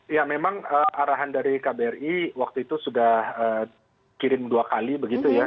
ya memang arahan dari kbri waktu itu sudah kirim dua kali begitu ya